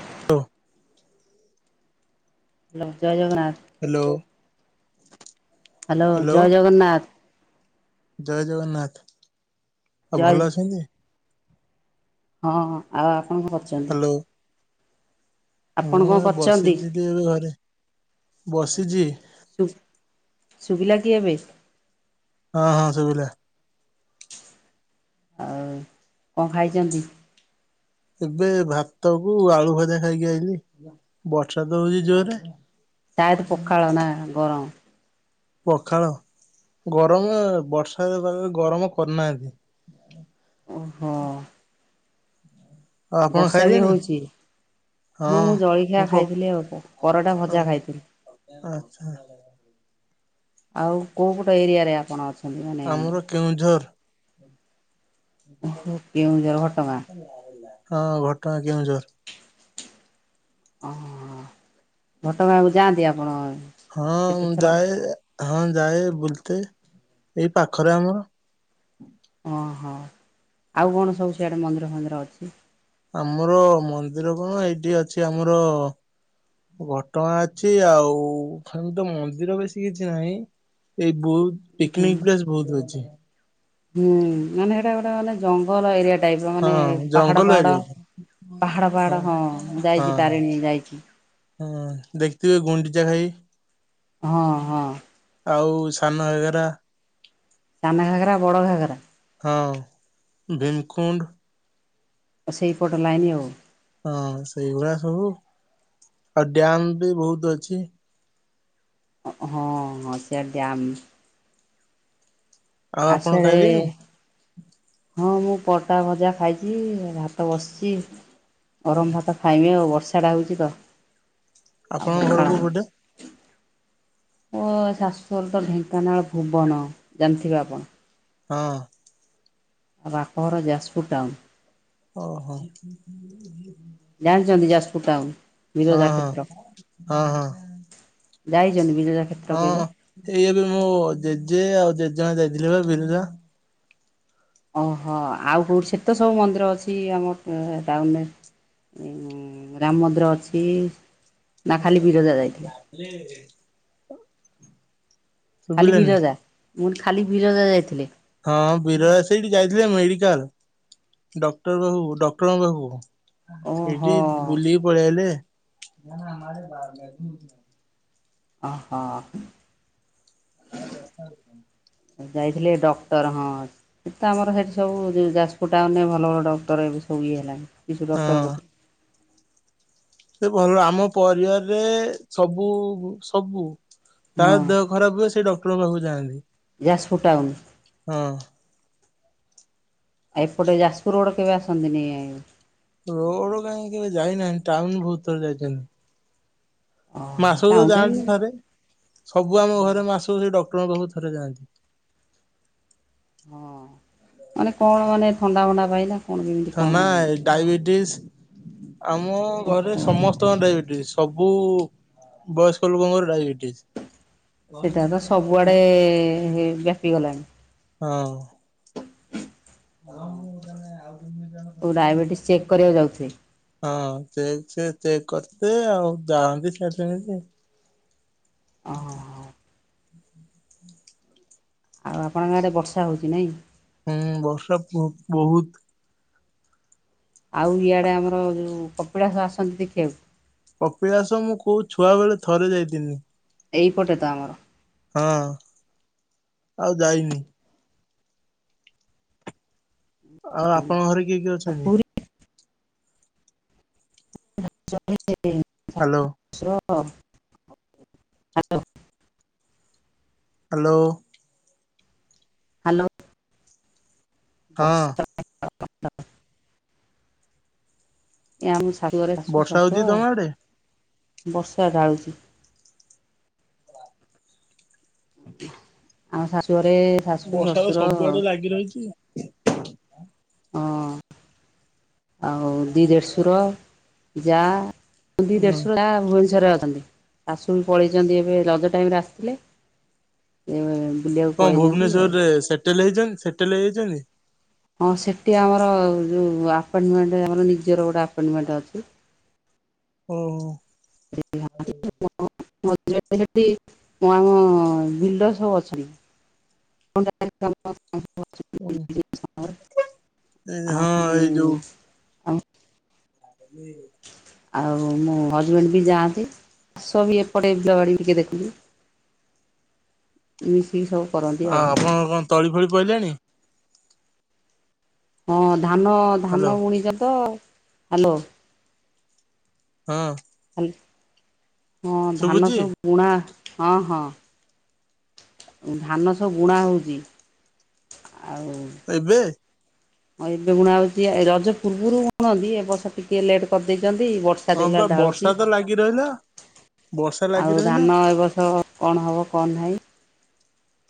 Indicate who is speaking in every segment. Speaker 1: [unintelligible]
Speaker 2: Hello ଜୟଜଗନ୍ନାଥ।
Speaker 1: Hello.
Speaker 2: Hello ଜୟ ଜଗନ୍ନାଥ।
Speaker 1: ଜୟ ଜଗନ୍ନାଥ। ଆଉ
Speaker 2: ଜୟ
Speaker 1: ଭଲ ଅଛନ୍ତି।
Speaker 2: ହଁ ଆଉ ଆପଣ କଣ କରୁଛନ୍ତି?
Speaker 1: ହ୍ୟାଲୋ
Speaker 2: ଆପଣ
Speaker 1: ମୁଁ
Speaker 2: କଣ
Speaker 1: ଏବେ
Speaker 2: କରୁଛନ୍ତି?
Speaker 1: ବସିଛି ଏବେ ଘରେ ବସିଛି।
Speaker 2: ଶୁ ଶୁଭିଲା କି ଏବେ।
Speaker 1: ହଁ ହଁ ଶୁଭିଲା।
Speaker 2: ଆଉ, କଣ ଖାଇଛନ୍ତି?
Speaker 1: ଏବେ ଭାତ କୁ ଆଳୁ ଭଜା ଖାଇକି ଆଇିଲି, ବର୍ଷା ତ ହଉଛି ଜୋରରେ।
Speaker 2: ସାଏତ ପଖାଳ ନା ଗରମ୍?
Speaker 1: ପଖାଳ ଗରମ ଏ ବର୍ଷା ପାଗରେ ଗରମ କରନାହାନ୍ତି।
Speaker 2: ଓ ହଁ।
Speaker 1: ଆଉ ଆପଣ
Speaker 2: ବର୍ଷା ବି
Speaker 1: ଖାଇଲେଣି?
Speaker 2: ହଉଛିି! ହଁ ମୁଁ ଜଳଖିଆ ଖାଇଥିଲି ଆଉ ପ ପରଟା ଭଜା ଖାଇଥିଲି।
Speaker 1: ଆଚ୍ଛା
Speaker 2: ଆଉ କୋଉ ପଟ ଏରିଆରେ ଆପଣ ଅଛନ୍ତି? ମାନେ
Speaker 1: ଆମର କେଉଁଝର।
Speaker 2: ଓହୋ କେଉଁଝର ଘଟଗାଁ
Speaker 1: ହଁ ଘଟଗାଁ କେଉଁଝର।
Speaker 2: ହଁ ଘଟଗାଁ କୁ ଯାଆନ୍ତି ଆପଣ?
Speaker 1: ହଁ ମୁଁ
Speaker 2: କେତେଥର
Speaker 1: ଯାଏ ହଁ ଯାଏ ବୁଲ ଏତେ ଏଇ ପାଖରେ ଆମର
Speaker 2: ଓହୋ ଆଉ କଣ ସବୁ ସିଆଡେ ମନ୍ଦିର ଫନ୍ଦିର ଅଛି?
Speaker 1: ଆମର ମନ୍ଦିର କଣ ଏଇଠି ଅଛି ଆମର ଘଟଗାଁ ଅଛି ଆଉ ହେମିତି ମନ୍ଦିର ବେଶୀ କିଛି ନାହିଁ ଏଇ ବହୁତ ପିକନିକ ପ୍ଲେସ ବହୁତ ଅଛି।
Speaker 2: ହୁଁ ମାନେ ସେଇଟା ଗୋଟେ ମାନେ ଜଙ୍ଗଲ ଏରିଆ ଟାଇପ ମାନେ
Speaker 1: ହଁ
Speaker 2: ପାହାଡ
Speaker 1: ଜଙ୍ଗଲ
Speaker 2: ପାହାଡ।
Speaker 1: ଏରିଆଟା
Speaker 2: ପାହାଡ ପାହାଡ ହଁ ଯାଇଛି ତାରିଣୀ ଯାଇଛି।
Speaker 1: ହୁଁ ଦେଖିଥିବେ ଗୁଣ୍ଡିଚାଘାଇ
Speaker 2: ହଁ ହଁ।
Speaker 1: ଆଉ ସାନ ଘାଗେରା
Speaker 2: ସାନା ଘାଗରା ବଡ ଘାଗାରା।
Speaker 1: ହଁ ଭିମକୁଣ୍ଡ।
Speaker 2: ଆଉ ସେଇପଟ ଲାଇନି ଆଉ।
Speaker 1: ହଁ ସେଇଗୁଡା ସବୁ ଆଉ ଡ୍ୟାମ ବି ବହୁତ ଅଛି।
Speaker 2: ହଁ ହଁ ସିଏ ଡ୍ୟାମ।
Speaker 1: ଆଉ ଆପଣ ଖାଇଲେଣି?
Speaker 2: ହଁ ମୁଁ ପରଟା ଭଜା ଖାଇଛି ଭାତ ବସିଛି ଗରମ ଭାତ ଖାଇମି ଆଉ ବର୍ଷ ବର୍ଷା ଟା ହେଉଛି ତ। ଆଉ
Speaker 1: ଆପଣଙ୍କ
Speaker 2: ପଖାଳ
Speaker 1: ଘର କୋଉ ପଟେ?
Speaker 2: ମୋ ଶାଶୁଘର ତ ଢେଙ୍କାନାଳ ଭୁବନ ଜାଣିଥିବେ ଆପଣ!
Speaker 1: ହଁ।
Speaker 2: ଆଉ ବାପଘର ଯାଜପୁର ଟାଉନ
Speaker 1: ଓ ହୋ।
Speaker 2: [unintelligible]
Speaker 1: ହଁ ହଁ
Speaker 2: କ୍ଷେତ୍ର
Speaker 1: ହଁ ହଁ।
Speaker 2: ଯାଇଛନ୍ତି? ବିରଜା କ୍ଷେତ୍ର
Speaker 1: ହଁ
Speaker 2: କେବେ?
Speaker 1: ଏଇ ଏବେ ମୋ ଜେଜେ ଆଉ ଜେଜେମା ଯାଇଥିଲେ ବା ବିିରଜା।
Speaker 2: ଓହୋ ଆଉ କୋଉଠି ସେଠି ସବୁ ମନ୍ଦିର ଅଛି ଆମ ଅ ଟାଉନରେ। ଉଁ ରାମମନ୍ଦିର ଅଛି ନା ଖାଲି ବିରଜା ଯାଇଥିଲେ? ଖାଲି
Speaker 1: ଶୁଭିଲାନି
Speaker 2: ବିରଜା ମୁଁ କଇଲି ବିରଜା ଯାଇଥିଲେ!
Speaker 1: ହଁ ବିରଜା ସେଇଠି ଯାଇଥିଲେ ମେଡିକାଲ ଡକ୍ଟର ବାବୁ ଡକ୍ଟର ବାବୁଙ୍କ ପାଖକୁ
Speaker 2: ଓହୋ।
Speaker 1: ସେଇଠି ବୁଲିକି ପଳେଇ ଆଇଲେ ହୁଁ।
Speaker 2: ଅ ହ।
Speaker 1: [unintelligible]
Speaker 2: ଯାଇଥିଲେ ଡକ୍ଟର ହଁ ସେ ତ ଆମର ସେଇଠି ସବୁ ଯାଜପୁର ଟାଉନରେ ଭଲ ଭଲ ଡକ୍ଟର ଏ ସବୁ ଇଏ [inaudible] ଶିଶୁ
Speaker 1: ହଁ
Speaker 2: ଡକ୍ଟର।
Speaker 1: ସେ ଭଲ ଆମ ପରିବାରରେ ସବୁ ସବୁ। ତାର
Speaker 2: ହଁ
Speaker 1: ଦେହ ଖରାପ ହୁଏ ସେ ଡକ୍ଟରଙ୍କ ପାଖକୁ ଯାଆନ୍ତି।
Speaker 2: ଯାଜପୁର ଟାଉନ
Speaker 1: ହଁ।
Speaker 2: ଆ ଏପଟେ ଯାଜପୁର ରୋଡ୍ କେବେ ଆସନ୍ତିନି। ମାନେ
Speaker 1: ରୋଡ କାହିଁ କେବେ ଯାଇନାହିଁ ଟାଉନ ବହୁତ୍ ଥର ଯାଇଛନ।
Speaker 2: ଓହୋ
Speaker 1: ମାସକୁ ତ
Speaker 2: ଟାଉନରେ
Speaker 1: ଯାଆନ୍ତି ଥରେ ସବୁ ଆମ ଘରେ ମାସ କୁ ସେ ଡ ଙ୍କ ପାଖକୁ ଥରେ ଯାଆନ୍ତି।
Speaker 2: ହଁ ମାନେ କଣ ମାନେ ଥଣ୍ଡା ଭଣ୍ଡା ଧଇଲେ କଣ କେମିତି
Speaker 1: ଥନା
Speaker 2: କଣ ହେନେ।
Speaker 1: ଡାଇବେଟିସ ଆମ ଘରେ ସମସ୍ତଙ୍କ ଡାଇବେଟିସ୍ ସବୁ ବୟସ୍କ ଲୋକଙ୍କର ଡାଇବେଟି
Speaker 2: ସେଟା ତ ସବୁଆଡେ ବ୍ୟାପି ଗଲାଣି।
Speaker 1: ହଁ। ହ ମୁଁ ତାନେ ଆଉ।
Speaker 2: ଓ ଡାଇବେଟିସ୍
Speaker 1: [unintelligible]
Speaker 2: ଚେକ୍ କରିବାକୁ ଯାଉଥିବେ
Speaker 1: ହଁ ଚେ ଚେ ଚେକ୍ କର। ସେ ଆଉ ଯାଆନ୍ତି ସିଆଡ଼େ ସେମିତି।
Speaker 2: ଓ ଆଉ ଆପଣଙ୍କ ଗାଁରେ ବର୍ଷା ହଉଛି ନାଇଁ।
Speaker 1: ହୁଁ ବର୍ଷା ବ-ବହୁତ।
Speaker 2: ଆଉ ଇଆଡେ ଆମର ଯୋଉ କପିଳାସ ଆସନ୍ତି ଦେଖିବାକୁ।
Speaker 1: କପିଳାସ ମୁଁ କୋଉ ଛୁଆ ବେଳେ ଥରେ ଯାଇଥିନି।
Speaker 2: ଏଇପଟେ ତ ଆମର।
Speaker 1: ହଁ ଆଉ ଯାଇନି। ଆଉ ଆପଣଙ୍କ ଘରେ କିଏ କିଏ
Speaker 2: ଆଉ
Speaker 1: ଅଛନ୍ତି?
Speaker 2: ପୁରୀ [inaudible]
Speaker 1: ହ୍ୟାଲୋ
Speaker 2: ଶଶୁର। ହଁ ହାଲୋ।
Speaker 1: ହାଲୋ।
Speaker 2: ହାଲୋ।
Speaker 1: ହଁ
Speaker 2: ବର୍ଷା [inaudible] ଏ ଆମ ଶାଶୁ ଘରେ ଶାଶୁ
Speaker 1: ବର୍ଷା ହଉଛି
Speaker 2: ଶଶୁର
Speaker 1: ତମ ଆଡେ?
Speaker 2: ବର୍ଷା ଢାଳୁଛି। ଆମ ଶାଶୁ ଘରେ ଶାଶୁ
Speaker 1: ବର୍ଷା ତ
Speaker 2: ଶଶୁର।
Speaker 1: ସବୁଆଡେ ଲାଗି ରହିଛି।
Speaker 2: ହଁ ଆଉ ଦି ଦେଢ଼ସୁର ଯା। ଦି
Speaker 1: ହଁ
Speaker 2: ଦେଢସୂର୍ ଯା ଭୁବନେଶ୍ୱର ରେ ଅ ଛନ୍ତି ଶାଶୁ ପଳେଇଛନ୍ତି ଏବେ ରଜ ଟାଇମ ରେ ଆସିଥିଲେ ସେଇ। [unintelligible]
Speaker 1: କଣ ଭୁବନେଶ୍ୱରରେ ସେଟେଲ ହେଇଛନ୍ତି ସେଟେଲ ହେଇଯାଇଛନ୍ତି।
Speaker 2: ହଁ ସେଠି ଆମର ଯଉ ଆପାଟମେଣ୍ଟ ଆମର ନିଜର ଗୋଟେ ଆପାଟମେଣ୍ଟ ଅଛି।
Speaker 1: ଓହୋ।
Speaker 2: [inaudible] ଆମ [inaudible] ବିଲ୍ଡର ସବୁ ଅଛନ୍ତି। [inaudible]
Speaker 1: ହଁ
Speaker 2: [unintelligible] ଆମ ଆ
Speaker 1: ଉଏ।
Speaker 2: ଆଉ ମୋ ହଜବେଣ୍ଡ ବି ଯାଆନ୍ତି ସବ ଏପଟେ ବିଲ ବାଡ଼ି ଟିକେ ଦେଖନ୍ତି। ନି।
Speaker 1: ଆଉ ଆପଣଙ୍କ କଣ ତଳି ଫଳି ପଇଲାଣି।
Speaker 2: ହଁ ଧାନ
Speaker 1: ହ୍ୟାଲୋ
Speaker 2: ଧାନ ବୁଣିଛ ତ ହାଲୋ।
Speaker 1: ହଁ।
Speaker 2: ହଁ ଧାନ
Speaker 1: ଶୁଭୁଛି
Speaker 2: ସବୁ ବୁଣା ହଁ ହଁ। ଧାନ ସବୁ ବୁଣା ହଉଛି ଆଉ।
Speaker 1: ଏବେ
Speaker 2: ହଁ ଏବେ ବୁଣା ହଉଛି ଏ ରଜ ପୂର୍ବରୁ ବୁଣନ୍ତି ଏ ବର୍ଷ ଟିକେ ଲେଟ୍ କରିଦେଇ ଯଲଦି ବର୍ଷା
Speaker 1: ହଁ
Speaker 2: ଦେଖିଲା
Speaker 1: ବା
Speaker 2: ବେଳୁ
Speaker 1: ବର୍ଷା ତ ଲାଗି ରହିଲା।
Speaker 2: ଢାଳୁଛି
Speaker 1: ବର୍ଷା ଲାଗି
Speaker 2: ଆଉ
Speaker 1: ରହିଲା
Speaker 2: ଧାନ ଏ ବର୍ଷ କଣ ହବ କଣ ନାହିଁ।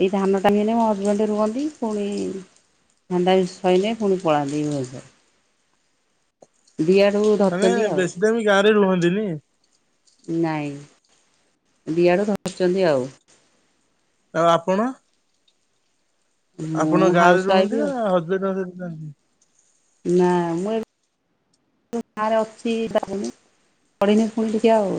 Speaker 2: ଏଇ ଧାନ ଟା ହେଲେ ମୋ ହଜବେଣ୍ଡ ରୁହନ୍ତି ପୁଣି ଧାନ ଟାଇମ୍ ସାଇଲେ ପୁଣି ପଳାନ୍ତିି ୟୁଏସେ
Speaker 1: ମାନେ
Speaker 2: ଧରିଛନ୍ତି ଆଉ
Speaker 1: ବେଶୀ ଦିନି ଗାଁରେ ରୁହନ୍ତିନି
Speaker 2: ନାଇଁ ଦିଆଡୁ ଧରିଚନ୍ତି ଆଉ
Speaker 1: ଆଉ ଆପଣ
Speaker 2: ମୁଁ
Speaker 1: ଆପଣ ଗାଁ
Speaker 2: ହାଉସ
Speaker 1: ରେ
Speaker 2: ୱାଇଫ
Speaker 1: ରୁହନ୍ତି ନା
Speaker 2: ଆଉ
Speaker 1: ହଜବେଣ୍ଡଙ୍କ ସହିତ ଯାନ୍ତି
Speaker 2: ନା ମୁଁ ଏ ମୁଁ ଗାଁରେ ଅଛିି [unintelligible] ଫୁଣି ଯିବି ଆଉ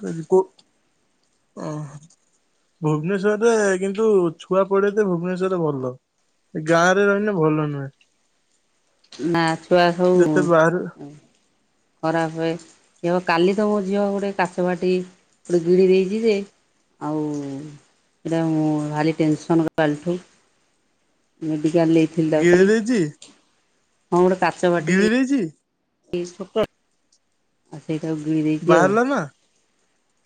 Speaker 1: କାରିକୋ ଆଁ ଭୁବନେଶ୍ୱରରେ କିନ୍ତୁ ଛୁଆ ପଢେଇଲେ ଭୁବନେଶ୍ଵରରେ ଭଲ। ଏ ଗାଁ ରେ ରହିଲେ ଭଲ ନୁହେଁ।
Speaker 2: ନା ଛୁଆ ସବୁ
Speaker 1: ଯେତେ ବାହାରେ
Speaker 2: ଖରାପ ହୁଏ କାଲି ତ ମୋ ଝିଅ ଗୋଟେ କାଚ ବାଟି ଗୋଟେ ଗିଳି ଦେଇଛି ଯେ ଆଉ ସେଇଟା ମୁଁ ଭାରି ଟେନସନ୍ କାଲି ଠୁ ମୁଁ ବି କଲି ନେଇଥିଲି ତାକୁ
Speaker 1: ଗିଳି
Speaker 2: ଖାଲି
Speaker 1: ଦେଇଛି
Speaker 2: ହଁ ଗୋଟେ କାଚ ବାଟି
Speaker 1: ଗିଳି ଦେଇଛି
Speaker 2: [unintelligible] ଆ ସେଇଟାକୁ ଗିଳି ଦେଇଚି ଆଉ।
Speaker 1: ବାହାରିଲା ନା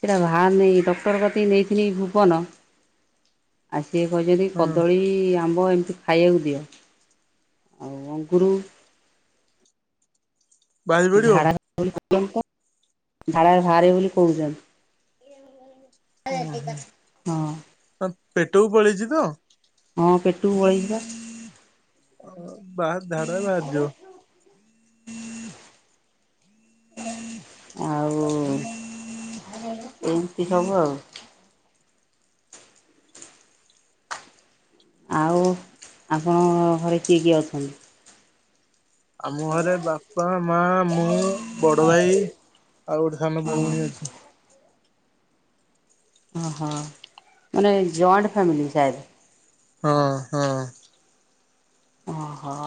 Speaker 2: ସେଟା ବାହାରୁ ନେଇ ଡକ୍ଟର କତିକି ନେଇଥିଲି ଭୁବନ ଆ ସିଏ କହିିଛନ୍ତି
Speaker 1: ହଁ
Speaker 2: କଦଳୀ ଆ ଆମ୍ବ ଏମିତି ଖାଇବାକୁ ଦିଅ ଆଉ ଅଙ୍ଗରୁ
Speaker 1: ବାହାରି ପଡିବ
Speaker 2: [unintelligible] ଝଡାରେ ବାହାରିବ ବୋଲି କହୁଛନ୍ତି। ହଁ
Speaker 1: ପେଟକୁ ପଳେଇଚି ତ
Speaker 2: ହଁ ପେଟକୁ ପଳେଇଚି ପା
Speaker 1: ଅ ବାହାର ଧାଡରେ ବାହାରି ଯିବ
Speaker 2: ଆଉ ଏମିତି ସବୁ ଆଉ ଆଉ ଆପଣଙ୍କ ଘରେ କିଏ କିଏ ଅଛନ୍ତି?
Speaker 1: ଆମ ଘରେ ବା ପା ମା ମୁଁ ବଡ ଭାଇ ଆଉ ଗୋଟେ ସାନ
Speaker 2: ହଁ
Speaker 1: ଭଉଣୀ ଅଛି।
Speaker 2: ଓ ହୋ ମାନେ ଯାଇଣ୍ଟ ଫ୍ୟାମିଲି ସାୟାଦ
Speaker 1: ହଁ ହଁ
Speaker 2: ଓ ହୋ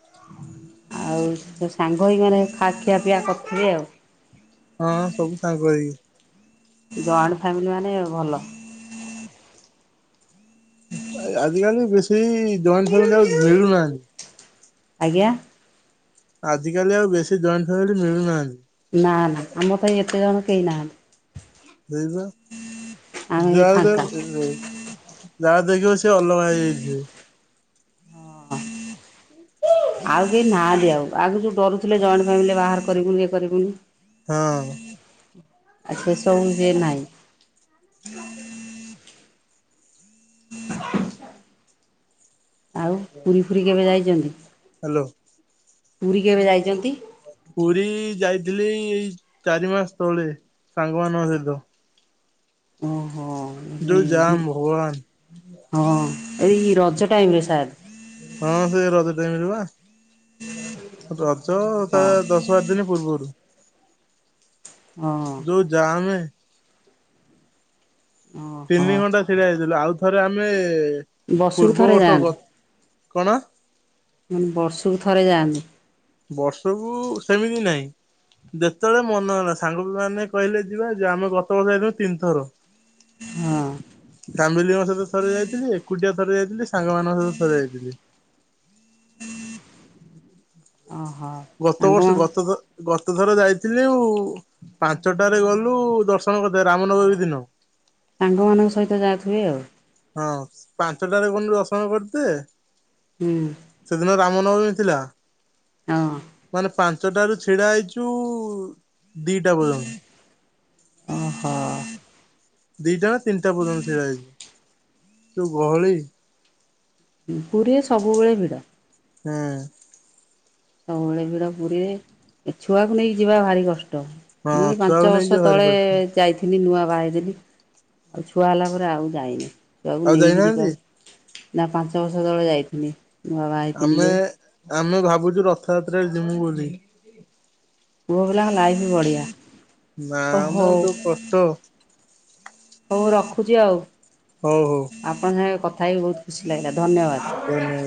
Speaker 1: [inaudible]
Speaker 2: ଆଉ ସେ ସାଙ୍ଗ ହେଇକି ମାନେ ଖା ଖିଆ ପିଆ କରିିଥୁବେ ଆଉ
Speaker 1: ହଁ ସବୁ ସାଙ୍ଗହେଇ।
Speaker 2: ଜଏଣ୍ଟ ଫ୍ୟାମିଲି ମାନେ ଭଲ।
Speaker 1: ଆ ଆଜିକାଲି ବେଶୀ ଏଇ ଜଏଣ୍ଟ ଫେମିଲି ଆଉ ମିଳୁନାହାନ୍ତି।
Speaker 2: ଆଜ୍ଞା
Speaker 1: ଆଜ କାଲି ଆଉ ବେଶୀ ଜଏଣ୍ଟ ଫ୍ୟାମିଲି ମିଳୁନାହାନ୍ତି
Speaker 2: ନା ନା ଆମ ପାଇଁ ଏତେ ଜଣ କେହି ନାହାନ୍ତି
Speaker 1: ସେଇବା
Speaker 2: ଆମେ ଏଇ
Speaker 1: ଯାହା
Speaker 2: ଫାଙ୍କା
Speaker 1: [unintelligible] ଯାହା ଦେଖିବ ସେ ଅଲଗା ହେଇଯାଇଥିବେ।
Speaker 2: ଆଉ କେହି ନାହାନ୍ତିି ଆଉ ଆଗୁରୁ ଯୋଉ ଡରୁଥିଲେ ଜଏଣ୍ଟ ଫ୍ୟାମିଲି ବାହାଘର କରିବୁନୁ ଇଏ କରିବୁନୁ
Speaker 1: ହଁ
Speaker 2: ଆଛା ସବୁ ଯେ ନାଇ ଆଉ ପୁରୀ ଫୁରି କେବେ ଯାଇଛନ୍ତି
Speaker 1: ହ୍ୟାଲୋ
Speaker 2: ପୁରୀ କେବେ ଯାଇଚନ୍ତି?
Speaker 1: ପୁରୀ ଯାଇଥିଲି ଏଇ ଚାରିମାସ ତଳେ ସାଙ୍ଗମାନଙ୍କ ସହିତ।
Speaker 2: ଓହୋ
Speaker 1: ଯୋଉ
Speaker 2: ହୁଁ
Speaker 1: ଜାମ୍ ଭଗବାନ।
Speaker 2: ହଁ। ଏଇ ରଜ ଟାଇମ ରେ ସାର।
Speaker 1: ଦେ ମିଳିବ। ରଜ ତା
Speaker 2: ହଁ
Speaker 1: ଦଶ ବାର ଦିନ ପୂବୁ ପୁର୍ବୁରୁ।
Speaker 2: ହଁ
Speaker 1: ଯୋଉ ଯାମେ। ତିନି
Speaker 2: ଓହୋ
Speaker 1: ଘଣ୍ଟା ଛିଡା ହେଇଥିଲୁ ଆଉ ଥରେ ଆମେ
Speaker 2: ବର୍ଷକୁ
Speaker 1: ପୂର୍ବ
Speaker 2: ଥରେ
Speaker 1: ବର୍ଷ ଗ କଣ?
Speaker 2: ମୁ ବର୍ଷକୁ ଥରେ ଯାଆନି।
Speaker 1: ବର୍ଷକୁ ସେମିତି ନାହିଁ। ଯେତେବେଳେ ମନ ହେଲା ସାଙ୍ଗ କୁ ମାନେ କହିଲେ ଯିବା ଯେ ଆମେ ଗତ ବର୍ଷ ହେଇୁ ତିନିଥର।
Speaker 2: ହଁ
Speaker 1: ଫ୍ୟାମିଲି ଙ୍କ ସହିତ ଥରେ ଯାଇଥିଲି ଏକୁଟିଆ ଥରେ ଯାଇଥିଲି ସାଙ୍ଗମାନଙ୍କ ସହିତ ଥରେ ଯାଇଥିଲି। [unintelligible]
Speaker 2: ଓହୋ
Speaker 1: ଗତ ବର୍ଷ
Speaker 2: ସାଙ୍ଗମାନେ
Speaker 1: ଗତ ଥର ଗତ ଥର ଯାଇଥିଲିଉ। ପାଞ୍ଚଟାରେ ଗଲୁ ଦର୍ଶନ କରିତେ ରାମନବମୀ ଦିନ।
Speaker 2: ସାଙ୍ଗମାନଙ୍କ ସହିତ ଯାଉଥିବେ ଆଉ।
Speaker 1: ହଁ ପାଞ୍ଚଟାରେ ଗନୁ ଦର୍ସନ କରିତେ।
Speaker 2: ହୁଁ।
Speaker 1: ରାମ ନବମୀ ଥିଲା
Speaker 2: ହଁ
Speaker 1: ମାନେ ପାଞ୍ଚଟାରୁୁ ଛିଡା ହେଇଛୁ। ଦିଟା ପର୍ଯ୍ୟନ୍ତ।
Speaker 2: ଓହୋ
Speaker 1: ଦି ଟା ନା ତିନିଟା ପର୍ଯ୍ୟନ୍ତ ଛିଡ଼ା ହେଇଚ୍ଛୁ ଯୋଉ ଗହଳି।
Speaker 2: ହୁଁ ପୁରୀରେ ସବୁବେଳେ ଭିଡ।
Speaker 1: ହୁଁ।
Speaker 2: ସବୁବେଳେ ଭିଡ ପୁରୀରେ ଏ ଛୁଆକୁ ନେଇକି ଯିବା ଭାରି କଷ୍ଟ।
Speaker 1: ହଁ
Speaker 2: ମୁଁ ଏଇ
Speaker 1: ଛୁଆକୁ
Speaker 2: ପାଞ୍ଚ
Speaker 1: ନେଇକି
Speaker 2: ବର୍ଷ
Speaker 1: ଯିବା ଭାରି
Speaker 2: ତଳେ
Speaker 1: କଷ୍ଟ
Speaker 2: ଯାଇଥିଲି ନୂଆ। ବାହା ହେଇଥିଲି ଆଉ ଛୁଆ ହେଲା ପରେ ଆଉ ଯାଇନି ଛୁଆକୁ
Speaker 1: ଆଉ
Speaker 2: ନେଇକି ଟିକେ।
Speaker 1: ଯାଇନାହାନ୍ତି
Speaker 2: ନା ପାଞ୍ଚ ବର୍ଷ ତଳେ ଯାଇଥିଲି, ନୁଆ ବାହା ହୋଇଥିଲି
Speaker 1: ଆମେ
Speaker 2: ଯୋଉ।
Speaker 1: ଆମେ ଭାବୁଛୁ ରଥ ଯାତ୍ରାରେ ଯିମୁ ବୋଲି।
Speaker 2: ପୁଅ ପିଲାଙ୍କ ଲାଇଫ ବଢିଆ।
Speaker 1: ନା ମ ଯୋଉ କଷ୍ଟ।
Speaker 2: ହଉ ରଖୁଛି ଆଉ
Speaker 1: ହଉ ହଉ
Speaker 2: ଆପଣଙ୍କ ସାଙ୍ଗେ କଥା ହେଇକି ବହୁତ ଖୁସି ଲାଗିଲା। ଧନ୍ୟବାଦ।
Speaker 1: କୁହନି।